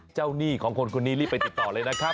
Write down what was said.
หนี้ของคนคนนี้รีบไปติดต่อเลยนะครับ